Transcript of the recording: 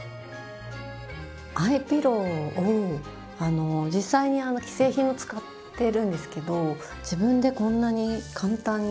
アイピローを実際に既製品を使ってるんですけど自分でこんなに簡単に。